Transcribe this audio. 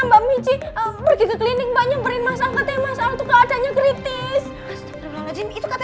mbak michi pergi ke klinik banyak beri masalah masalah keadanya kritis itu kata